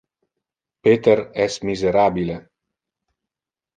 Peter es miserabile.